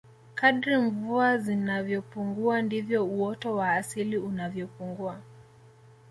kadri mvua zinavyopungua ndivyo uoto wa asili unavyopungua